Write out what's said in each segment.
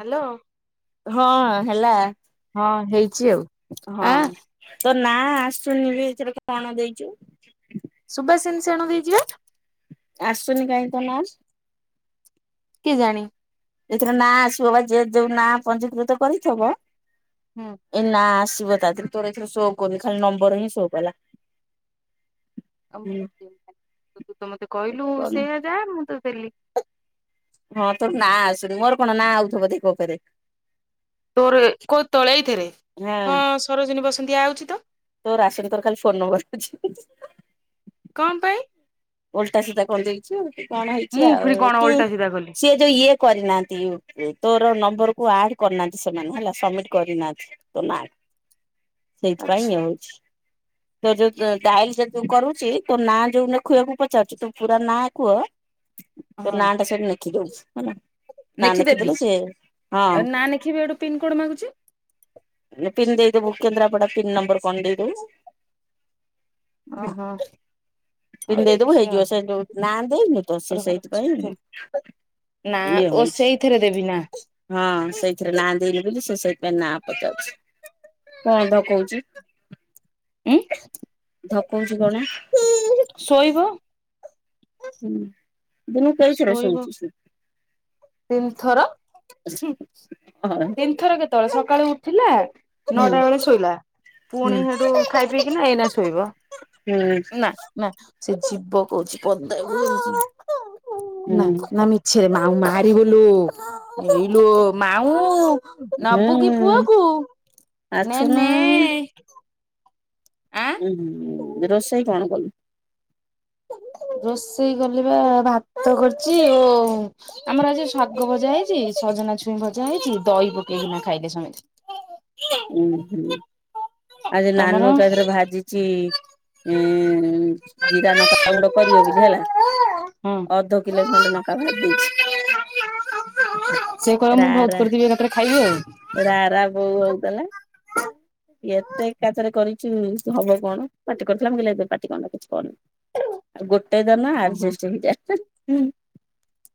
Hello ହଁ ହେଲା। ହଁ ହେଇଛି ଆଉ ହଁ ଆଁ ତୋ ନା ଆସୁନି ବି ଏଥିରେ କଣ ଦେଇଛୁ? ସୁବାସିନ ଶେଣ ଦେଇଛି ପା। ଆସୁନି କାହିଁ ତୋ ନା। କେ ଜାଣି? ଏଥିରେ ନାଁ ଆସିବ ବା ଯ ଯୋଉ ନାଁ ପଞ୍ଜୀକୃତ କରିଥବ ହୁଁ ଏଇ ନାଁ ଆସି ଯିବ ତୋର ଏଥିରେ ଶୋ କ ଖାଲି ନମ୍ବର ହିଁ ସୋ କଲା। ହୁଁ ତୁ ତ ମତେ କହିଲୁ କଣ? ସେୟଆ ଯା ମୁଁ ତ ଦେଲି। ହଁ ତୋର ନାଁ ଆସୁନି ମୋର କଣ ନାଁ ଆଉଥିବ ଦେଖ ଉପରେ। ତୋର କୋଉ ଏଇ ଥରେ ହଁ ସରୋଜିନୀ ବସତିଆ ଆଉଛି ତ। ତୋର ଆସିନି ତୋର ଖାଲି ଫୋନ ନମ୍ବର ଦେଖୋଉଛି। କଣ ପାଇଁ ଓଲଟା ସୁଧା କରିଦେଇଛି ଆଉ। କଣ ହେଇଛି ମୁଁ ଆଉ ଫୁଣି କଣ ଏଠି ଓଲଟା ସିଧା କଲି ସିଏ ଯୋଉ ଇଏ କରିନାହାନ୍ତି ତୋର ନ ତୁମକୁ ଆଡ୍ କରିନାହାନ୍ତି ସେମାନେ ସବମିଟ କରିନାହାନ୍ତି। ସେଇଥିପାଇଁ ଆଚ୍ଛା ହଉଛି ତୋ ଯୋଉ ଡାଇଲ ଯଦି କରୁଛି ତୋ ନାଁ ଯୋଉନ ଖୁଆକୁ ପଚାରୁଛୁ ତୁ ପୁରା ନା କୁହ ତୋ ହଁ ନାଁ ଟା ସବୁ ଲେଖି ଦଉଛୁ ଲେଖିଦେବି ଆଉ ନା ଲେଖିବି ଗୋଟେ ପିନ କୋଡ ମାଗୁଛି। ପିନ୍ ଦେଇଦେବୁ କେନ୍ଦ୍ରାପଡ଼ ପିନ୍ ନମ୍ବର୍ କଣ ଦେଇଦେବୁ। ଓ ହୋ। ପିନ୍ ଦେଇଦବୁ ହେଇଯିବ ସେ ଯୋଉ ନା ଦେଇନୁ ତ ସେ ରହ ରହ ସେଇଥିପାଇଁ। ନା ଇଏ ଓ ହଉଛି ସେଇଥିରେ ଦେବି ନା ହଁ ସେଇଥିରେ ନାଁ ଦେଇନି ବୋଲି ସେ ସେଇଥିପାଇଁ ନା ପଚାରୁଛି କଣ ଦବ କହୁଛି? ଏ। ଧପଉଛି କଣ? ଶୋଇବ। ଦିନକୁ କେଇଥର ଶୋଇଚି ସେ? ତିନିଥର ହଁ ତିନିଥର କେତେବେଳେ ସକାଳୁ ଉଠିଲା ହୁଁ ନଅଟା ବେଳେ ଶୋଇଲା ହୁଁ ପୁଣି ସେଠୁ ଖାଇ ପିଇକିନା ଏଇନା ଶୋଇବ। ହୁଁ ନା ନା ସେ ଯୀବ କହୁଛି ପଦକୁ ନା ହୁଁ ନା ମିଛରେ ମାଉ ମାରିିବୋଲ ହେଇଲୋ ମାଉଁ। ନବୁ କି ହୁଁ ପୁଅକୁ ନେ ଆସୁନୁ ନେ। ଆଁ ଉଁ ରୋଷେଇ କଣ କଲୁ? [inaudible] ରୋଷେଇ କଲି ବା ଭାତ କରିଛି ଓ ଓ ଆମର ଆଜି ଶାଗ ଭଜା ହେଇଛି। ଭଜନା ଛୁଇଁ ଭଜା ହେଇଛି ଦହି ପକେଇକିନା ଖାଇଲେ ସମତେ। ଉ ହୁଁ ଆଜି ନାନୁ ତମର ତାଥରେ ଭାଜିଚି। ଏଁ ଜିରା ନକା ପାଉଡ କରିବ ବୋଲି ହେଲା। ହଁ। ଅଧକିଲୋ ଖଣ୍ଡେ ନଙ୍କା ଭାଜିଦେଇଚି। ସେ କହିବ ମୁଁ ରା ବହୁତ ରା କରିଦେବି ଏକାଥରେ ଖାଇବି ଆଉ। ରା ରା ବୋଉ ହୋ [inaudible] ଏତେ ଏକାଥରେ କରିଛି ହବ କଣ ପାଟି କରୁଥିଲା ମୁ କହିଲି ପାଟି କରନା କିଛି କହନା। ଆଉ ଗୋଟେ ଦେନେ ଆରଜଷ୍ଟ ହୋଇ ଯାଆନ୍ତା।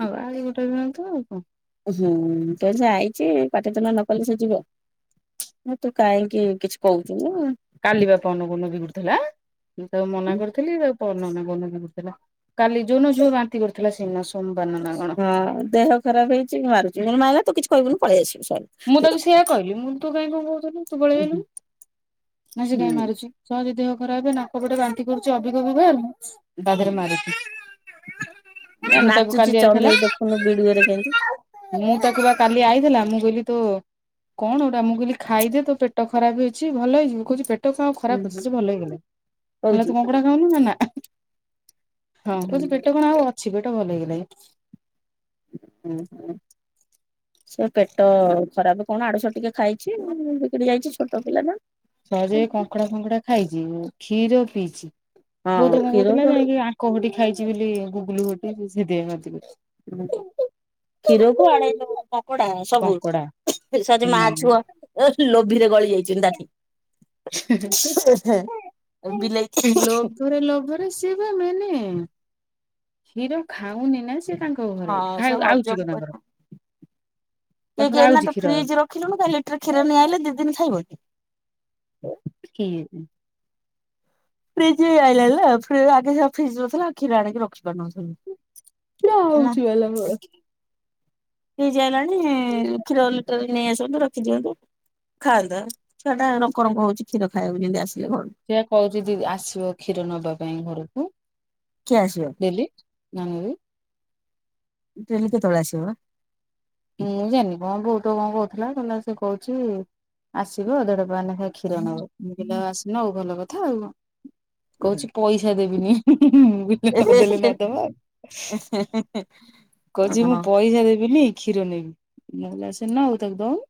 ହଁ ପା ଆଉ ଏ ଗୋଟେ ଦିନ ତ ହୁଁ ପଇସା ଆଇଚି ପାଟିତୁଣ୍ଡ ନ କଲେ ସେ ଯିବ। ହଁ ତୁ କାହିଁକି କିଛି କହୁଛୁ ନାୁ। କାଲିବା ପନ ପନ ବିଗୁଡୁଥିଲା ମୁ ତାକୁ ମନା କରିଥିଲି ତାକୁ କଣ ନାଁ କ ନନା ସେସବୁ କାଲି ଯୋଉ ନ ବାନ୍ତି କରିଥିଲା ସେଇ ନ ସବୁ। ହଁ ଦେହ ଖରାପ ହେଇଛି ମାରୁଛି ମୁଁ ମାଇଲେ ତୁ କିଛି କହିବୁନି ପଳେଇ ଆସିବୁ। ସଇଲା। ମୁଁ ତତେ ସେଇୟଆ କହିଲି ମୁଁ ତୁ କାଇହିଁ କଣ କହୁଥିଲୁ ତୁ ପଳେଇଆଇଲୁନି। ନା ସେ ହୁଁ କାହିଁ ମାରୁଛି ସହଜ ଦେହ ଖରାପେ ନା ଛୁଆ ବାନ୍ତି କରୁଛି ଅବିକବ ବାହାରୁନି ତାଦେହେରେ ମାରୁଚି। ନା ନାଚୁଚି ଚନ୍ଦେଇ ଦେଖୁନୁ ବିଡିଓରେ କେମତି ମୁଁ ତାକୁ ବା କାଲି ଆଇଥିଲା ମୁଁ କହିଲି ତୋ କଣ ଗୋଟା ମୁଁ କହିଲି ଖାଇଦେ ତୋ ପେଟ ଖରାପ ଅଛି ଭଲ ହେଇଯିବୁ କହୁଛି ପେଟ ତୋ ସହ ଖରାପ ସେ ଭଲ ହେଇଗଲା ନହେଲେ କହୁଛି। ତୁ କଙ୍କଡା ଖାଉନୁ ନା ନା। ହଁ କହୁଚି ହୁଁ ପେଟ କଣ ଆଉ ଅଛି ପେଟ ଭଲ ହେଇଗଲା। [inaudible] ସେ ପେଟ ଖରାପ କଣ ଆଡୁ ସାଡୁ ଟିକେ ଖାଇଛି ବିଗିଡି ଯାଇଛି ଛୋଟ ପିଲା ଟା। ସହଜେ କଙ୍କଡା ଫଙ୍କଡା ଖାଇଛି କ୍ଷୀର ପିଇଚି ହଁ ବହୁତ ଲୋକ କ୍ଷୀରକୁ କହୁଥିଲେ ଆଙ୍କ ଘଟି ଖାଇଛି ବୋଲି ଗୁଗୁଲୁ ଘଟି ସେଇଥି ପାଇଁ ବାନ୍ତି କରୁଛି। [inaudible] କ୍ଷୀରକୁୁ ଆଣେଇଦଉ କଙ୍କଡ଼ା ସବୁ କଙ୍କଡା ସହଚେ ମା ହୁଁ। ଛୁଆ [unintelligible] [unintelligible] ବିଲେଇ [inaudible] ଲୋଭରେ ଲୋଭରେ ସିଏ ବା ମେନେ କ୍ଷୀର ଖାଉନୀନା ସେ ତାଙ୍କ ହଁ ଘରେ ଖାଉ ସେ ଆଉଛି କଣ ହଜମ ତାଙ୍କର କରିପାରୁନି ତାଙ୍କର [unintelligible] ଏଇନା ଆଉଛି ତ କ୍ଷୀର ଫ୍ରିଜ ରଖିଲୁନି କାଲି ଲିଟର କ୍ଷୀର ନେଇ ଆଇଲେ ଦି ଦିନି ଖାଇବ ନି [unintelligible] ଫ୍ରିଜ୍ ହେଇ ଆଇଲାଣି ଲା ଫ୍ରି ଆଗେ ସିନା ଫ୍ରିଜ ନ ଥିଲା କ୍ଷୀର ଆଣିକି ରଖି ପାରୁନଥିଲୁ। [unintelligible] ଫ୍ରିଜ୍ ଆଇଲାଣି କ୍ଷୀର ଲିଟରେକି ନେଇ ଆସନ୍ତୁ ରଖିଦିଅନ୍ତୁ। ଖାଆନ୍ତା ଛୁଆ ଟା ରଙ୍କ ରଙ୍କ ହଉଛି କ୍ଷୀର ଖାଇବାକୁ ଯେମିତି ଆସ ସେଆ କହୁଛି ଦିଦି ଆସିବ କ୍ଷୀର ନବା ପାଇଁ ଘରକୁ କିଏ ଆସିବ ଡେଲି [unintelligible] ଡେଲି କେତେବେଳେ ଆସିବ ବା ମୁଁ ଜାଣିନି କଣ ବୋଉ ତ କଣ କହୁଥିଲା କହିଲା ସେ କଇଚି ଆସିବ ଦେଢ଼ ପାଏ ନେଖ କ୍ଷୀର ନେବ ମୁଁ କହିଲି ଆସିବ ଆଉ ଭଲ କଥା ଆଉ କହୁଛି ପଇସା ଦେବିନି [inaudible] ନ ଦେଲେ ନ ଦେବା କହୁଛି ମୁଁ ପଇସା ଦେବିନି କ୍ଷୀର ନେବି ନହେଲେ ଆଉ ସେ ନେଉ ତାକୁ ଦଉନ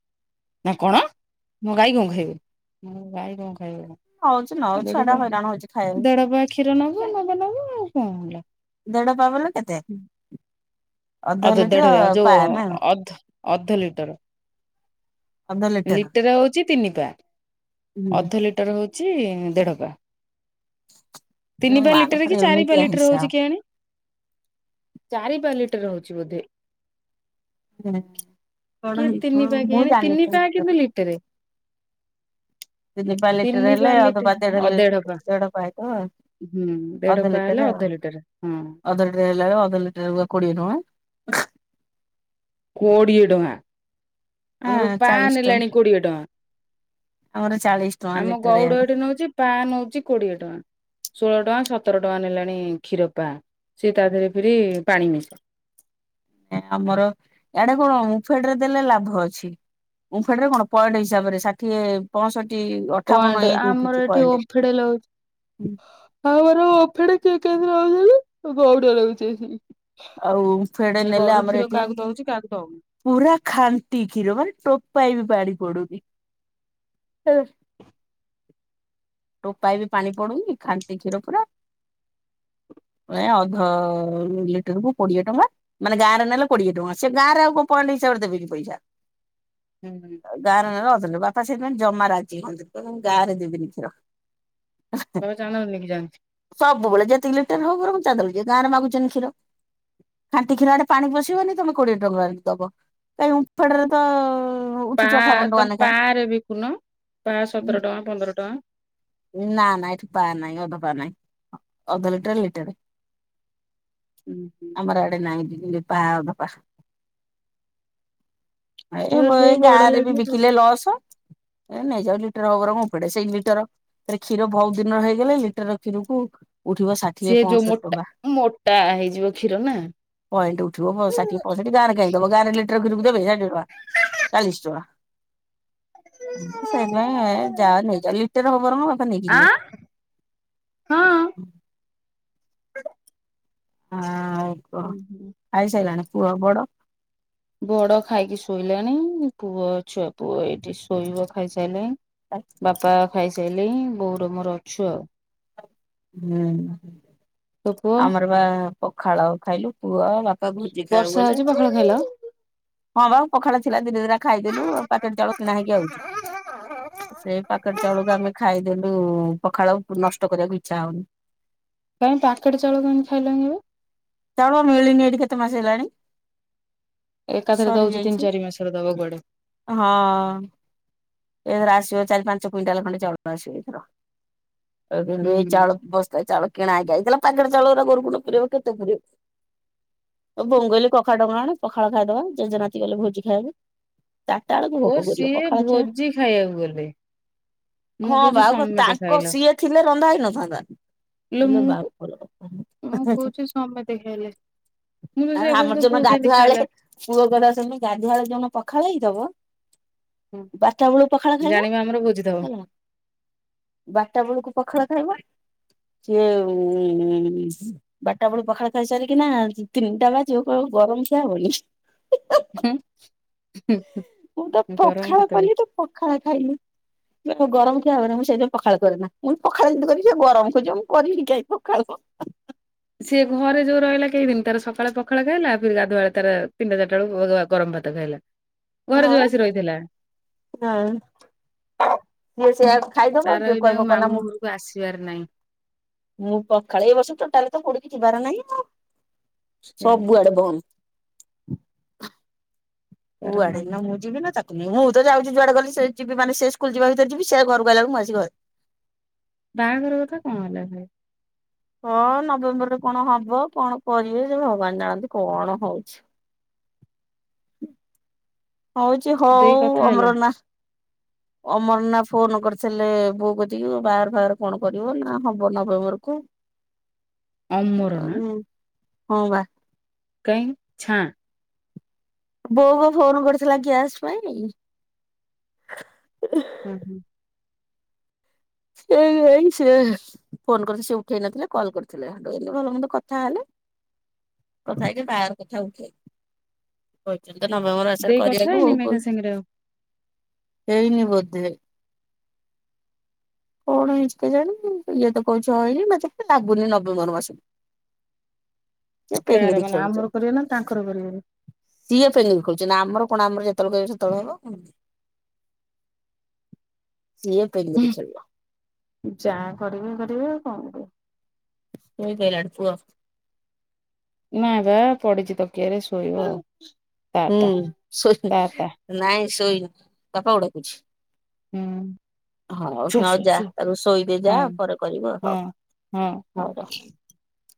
ନା କଣ ମୋ ଗାଈ କଣ ହଉଛି ନଉ ଛୁଆ ଟା ଖାଇବ ହଇରାଣ ହଉଛି ଖାଇବାକୁ। ଦେଢ ପା କ୍ଷୀର ନବ ନବ ଆଉ କଣ ହେଲା? ଦେଢ ପା ବଲେ କେତେ ଅଧ ଲିଟର ଦଢ଼ରେ ପା ଯେଉ ନା ଅଧ ଅର୍ଧ ଲିଟର ଲିଟର ହଉଛି ତିନି ପା ଅଧ ଲିଟର ହଉଛି। ହେଉଛି ଦେଢ଼ପା ତିନି ପା ମାଲୋ ଲିଟେରେ କି ଚାରି ପା ଏମିତିଆ ଲିଟେରେ ହିସାବ। ହଉଛି କେଜାଣି ଚାରିପା ଲିଟରେ ହେଉଛି ବୋଧେ କଣ କି ହେଇଥିବ ତିନି ପା ମୁଁ କେଏଣି ଜାଣିନି ତିନି ପା କିନ୍ତୁ ଲିଟେରେ ତିନିପା ଲିଟେରେ ପା ହେଲେ ଲିଟର ଅଧପା ଅ ଦେଢ ପା ଦେଢ଼ପାଏ ତ ଆଉ ହୁଁ ଦେଢ ଅଧ ପା ହେଲେ ଲିଟରେ ଅଧ ଆଉ ଲିଟର ହଁ ଅଧ ଲିଟରେ ହେଲାବେଳେ ଅଧ ଲିଟରେ ପା କୋଡିଏଟଙ୍କା [inaudible] କୋଡିଏ ଟଙ୍କା ଆମର ହଁ ପା ଚାଳିଶ ଟଙ୍କା। ନେଲାଣି କୋଡିଏ ଆମର ଚାଳିଶ ଟଙ୍କା ଟଙ୍କା ଆମ ଲିଟର ଗଉଡ ଇଆଡେ ଏଠି ନଉଛି ପା ନଉଛି କୋଡିଏ ଟଙ୍କା ଷୋହଳ ଟଙ୍କା ସତର ଟଙ୍କା ନେଲାଣି କ୍ଷୀର ପା ସିଏ ତା ଦେହରେ ଫେରି ପାଣି ମିଶା ଆମର ଏଇଆଡେ କଣ ଉମ୍ଫେଡରେ ଦେଲେ ଲାଭ ଅଛି ଉଫେଡ ରେ କଣ ପଏଣ୍ଟ ହିସାବରେ ଷାଠିଏ ପଅଷଠି ପଏଣ୍ଟ ଆମର ଏଠି ଓମଫେଡ୍ ଲୋ ହ ଆମର ଓମଫେଡ୍ ଚେକ୍ କେନ୍ତି ନଉଛନ୍ତି ଗଉଡ଼ ନଉଛି ଆସିକି ଆଉ ଓମଫେଡ୍ ସେଇ ନେଲେ ଗଉଡ ଆମର କ୍ଷୀର ଏଠି କାହାକୁ ଦଉଛି କାହାକୁ ଦଉନି। ପୁରା ଖାଣ୍ଟି କ୍ଷୀର ମାନେ ଟୋପାଇ ବି ପାଣି ପଡୁନି ଟୋପାଏ ବି ପାଣି ପଡୁନି ଖାଣ୍ଟି କ୍ଷୀର ପୁରା ଏ ଅଧ ଅ ଲିଟରକୁ କୋଡିଏ ଟଙ୍କା ମାନେ ଗାଁରେ ନେଲେ କୋଡିଏ ଟଙ୍କା ସେ ଗାଁରେ ଆଉ କଣ ପଏଣ୍ଟ [unintelligible] ଦେବେନି ପଇସା ହୁଁ ଗାଁରେ ନେଲେ ଅଧେ ନେବେ ବାପା ସେଇଥିପାଇଁ ଜମା ରାଜି ହଅନ୍ତି ନି କହନ୍ତି ମୁଁ ଗାଁରେ ଦେବିନି କ୍ଷୀର ତମେ ଚାଲ ନେଇକି ଯାଉଛି। ସବୁବେଳେ ଯେତିକି ଲିଟର ହଉ ବରଂ [unintelligible] ଗାଁରେ ମାଗୁଛନ୍ତି କ୍ଷୀର ଖାଣ୍ଟି କ୍ଷୀର ଆଡେ ପାଣି ପଶିବନି ତମେ କୋଡ଼ିଏ ଟଙ୍କା ଆଣିକି ଦବ ତାହେଲେ ଓମଫେଡ୍ ରେ ତ ପା ଉଠୁଛି ଅଠାବନ ଟଙ୍କା ତମେ ଲେଖା। ପା ରେ ବିକୁନ ପା ସତର ଟଙ୍କା ପନ୍ଦର ଟଙ୍କା ନା ନା ଏଠି ପା ନାହିଁ ଅଧ ପା ନାହିଁ ଅଧ ଲିଟେର ଲିଟେର ଆମର ଆଡେ ନାଇଁ ପା ଅଧ ପା ଏଇ ହେ ମୁଁ ସେଇ ଏଇ ବଡ ଗାଁ ରେ ବି ଲାଗିବ। ବିକିଲେ ଲସ ଏ ନେଇଯାଉ ଲି ଲିଟେର ହଉ ବରଂ ଓମଫେଡ୍ ସେଇ ଲିଟର କ୍ଷୀର ବହୁତ ଦିନର ହେଇଗଲେ ଲିଟର କ୍ଷୀରକୁ ଉଠିବ ଷାଠିଏ ସେ ଯୋଉ ପଞ୍ଚଷଠି ମୋଟା ଟଙ୍କା ମୋଟା ହେଇଯିବ କ୍ଷୀର ନା ପଏଣ୍ଟ ଉଠିବ ଷାଠିଏ ପଅଁଷଠି ଗାଁ ରେ କାଇଁ ଦବ ଗାଁରେ ଲିଟେର କ୍ଷୀରକୁ ଦେବେ ଷାଠିଏ ଟଙ୍କା ଚାଳିଶି ଟଙ୍କା ଏ ସେଇଥି ପାଇଁ ଏ ଯା ନେଇ ଯା ଲିଟେର ହଁ ବାପା ନେଇକି ଯିବେ ଆଁ ହଁ। [unintelligible] ହଁ ଆାଉ କଣ ଖାଇ ସାଇଲାଣି ପୁଅ ବଡ ବଡ ଖାଇକି ଶୋଇଲାଣି ପୁଅ ଛୁଆ ପୁଅ ଏଇଠି ଶୋଇବ ଖାଇ ସାଇଲାଣି ବାପା ଖାଇସାଇଲେଇଁ ବୋଉର ମୋର ଅଛୁ ଉ ହୁଁ। ତୋ ପୁଅ ଆମର ବା ପଖାଳ ଖାଇଲୁ ପୁଅ ବାପା ଭୋଜି ଖାଇବାକୁ ବର୍ଷା ଗଲେ ହଉଛି ପଖାଳ ଖାଇଲ ହଁ ବା ପଖାଳ ଥିଲା ଦିଟା ଦିଟା ଖାଇଦେଲୁ ପାକେଟ ଚାଉଳ କିଣା ହେଇକି ଆାଉଚି ସେ ପାକେଟ୍ ଚାଉଳକୁ ଆମେ ଖାଇଦେଲୁ ପଖାଳ ନଷ୍ଟ କରିବାକୁ ଇଚ୍ଛା ହଉନି ତମେ ପ୍ୟାକେଟ ଚାଉଳ କେମିତି ଖାଇଲ? ଚାଉଳ ମିଳିନି ଏଠି କେତେ ମାସ ହେଲାଣି। ଏକାଥରେ ସରି ଦଉଛି ତିନି ଯାଇଚି ଚାରି ମାସର ଦବ କୁଆଡେ ହଁ। ଏ ର ଆସିବ ଚାରି ପାଞ୍ଚ କୁଇଣ୍ଟାଲ ଖଣ୍ଡେ ଚାଉଳ ଆସିବ ଏଥର। କୋଉ ଦିନଠୁ ହୁଁ ଏଇ ଚାଉଳ ବସ୍ତାଏ ଚାଉଳ କିଣା ହେଇକି ଆଇଥିଲା ପାକେଟ ଚାଉଳ ଗୁରା ଗୋରୁ କୁଣ୍ଡରେ ପୁରେଇବ କେତେ ପୁରେଇବ। ବଙ୍ଗଲି କଖାରୁ ଡଙ୍କ ଆଣ ପଖାଳ ଖାଇଦବା ଜେଜେନାତି ଗଲେ ଭୋଜି ଖାଇବାକୁ। ଚାରିଟା ବେଳକୁ ଓ ଭୋକ କରିବ ସିଏ ପଖାଳ ଖିଆ। ଭୋଜି ଖାଇବାକୁ ଗଲେ। ମୁଁ ହଁ କହୁଛି ବା ସମେତେ ତାଙ୍କ ଖାଇଲ ସିଏ ଥିଲେ ରନ୍ଧା ହେଇନଥାନ୍ତା। ଇଲୋ ବାପଲୋ ହ ମୁଁ ହ। କହୁଛି ସମେତେ ଖାଇଲେ ମୁଁ ତ ଆ ସେଇଆ କହୁଛି ଆମର ତୋ ଯୋଉ ଦିନ ପୁଅ କେମିତି ଗାଧୁଆଳେ ଖାଇଲା ପୁଅ ଗାଧୁଆଳେ ଯୋଉ ଦିନ ପଖାଳ ହେଇଥିବ ହୁଁ। ବାରଟା ପଖାଳ ଖାଇବ ହେଲା ବାରଟା ବେଳକୁ ପଖାଳ ଖାଇବ ସିଏ ଉଁ ବାରଟା ବେଳୁ ପଖାଳ ଖାଇ ସାରିକିନା ତିନିଟା ବାଜିବ କହିବ ଗରମ ଖିଆ ହବ ନି। ହୁଁ ହୁଁ ହୁଁ ଗରମ କେତେବେଳେ? ଖାଇଲୁ। ଗରମ ଖିଆ ହବ ନା ମୁଁ ସେଇଥି ପାଇଁ ପଖାଳ କରେ ନା ମୁଁ ପଖାଳ ଯିମିତି କରିବି ସେ ଗରମ ଖୋଜବ ମୁଁ କରିବି କାହିଁ ପଖାଳ। [unintelligible] ସିଏ ଘରେ ଯୋଉ ରହିଲା କେଇ ଦିନ ତାର ସକାଳେ ପଖାଳ ଖାଇଲା ଫେର ଗାଧୁଆଳେ ତାର ତିନିଟା ଚାରିଟା ବେଳୁକୁ ଗରମ ଭାତ ଖାଇଲା। ଘରେ ହଁ ଯୋଉ ଆସି ରହିଥିଲା ହଁ। ସେଆ ଖାଇଦବ ଆଉ ତାର ସେ ଏଇନା କହିବ କନା ମାମୁଁ ମୁ ଘରକୁ ଆସିବାର ନାହିଁ। ମୁଁ ପଖାଳେଇ ବସ ଟୋଟାଲ କୋଠେ କି ଯିବାର ନାହିଁ ଆ ସେ ସବୁଆଡେ ବନ୍ଦ୍। ତାର କୁଆଡେ ମାମୁଁ ନା ମୁଁ ଯିବି ନା ତାକୁ ମୁଁ ହ ତତ ଯାଉଛି ଯୁଆଡେ ଗଲେ ସେ ଯିବି ମାନେ ସେ ସ୍କୁଲ ଯିବା ଭିତରେ ଯିବି ସେ ଘରକୁ ଆଲାକୁ ମୁଁ ଆସି ଘରେ। ବାହାଘର କଥା କଣ ହେଲା? ହଁ ନଭେମ୍ବରରେ କଣ ହବ କଣ କରିବେ ଯେ ଭଗବାନ ଜାଣନ୍ତି କଣ ହଉଛି। ହଉଛି ହଉ ଦେଇ କଥା ହେଲା ଅମରନା। ଅମର ନା ଫୋନ କରିସାରିଲେ ବୋଉ କତିକି ବାହାଘର ଫାହାଘରକଣ କରିବ ନା ହବ ନଭେମ୍ବର କୁ। [inaudible] ଅମ୍ମୋର ନା? ହୁଁ। ହଁ ବା। କଇଁ ଛାଁ? ବୋଉବୋ ଫୋନ କରିଥିଲା ଗ୍ୟାସ୍ ପାଇଁ। ହୁଁ ହୁଁ। ସେ ଏଇ ସେ ଫୋନ କରିଥିଲେ ସେ ଉଠେଇ ନଥିଲେ କଲ୍ କରିଥିଲେ ଏତି ଭଲ ମେ କଥା ହେଲେ। କଥା ହେକ ବାହାର କଥା ଉଠେଇ କହି ନଭେମ୍ବର ମାସରେ ଦେଇ କଥା କରିବାକୁ ହେଇନି ହୋଉ ମେଘା କହୁଛି ସାଙ୍ଗରେ ଆଉ ହେଇନି ବୋଧେ। କଣ ହେଇଛିିକେ ଜାଣ ଇଏ ତ କହୁଛି ହଇନି ମତ ଲାଗୁନି ନଭେମ୍ବର ମାସକୁ। [inaudible] କାହାର ପେଙ୍ଗିରି ମାନେ ଖେଳୁଛନ୍ତି ଆମର କରିବେ ନା ତାଙ୍କର କରିବେନି? ସିଏ ଫେଙ୍ଗି ଖଉଛନ୍ତି ନା ଆମର କଣ ଆମର ଯେତେବେଳେ କହିବ ସେତେବେଳେ ହବ। [unintelligible] ଯାହା କରିବେ କରିବେ ଆଉ କଣ କରିବ। [unintelligible] ନାଇଁ ବା ପଡିଛି ତକିଆରେ ଶୋଇବ ଆଉ। ତା ହୁଁ ତା ଶୋଇନି ତା ତା ନାଇଁ ଶୋଇନି ବାପା କୁ ଡାକୁଛି। ହୁଁ। ହଉ ଶୋ ହଉ ଶୋ ଯା ଶୋ ତାକୁ ଶୋଇଦେ ଯା ପରେ କରିବ ହଉ। ହଉ ହୁଁ ହ।